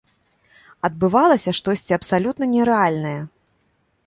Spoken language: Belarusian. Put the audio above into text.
Адбывалася штосьці абсалютна нерэальнае!